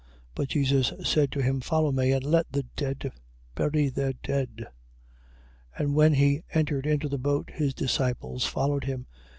8:22. But Jesus said to him: Follow me, and let the dead bury their dead. 8:23. And when he entered into the boat, his disciples followed him: 8:24.